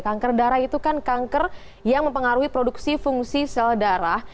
kanker darah itu kan kanker yang mempengaruhi produksi fungsi sel darah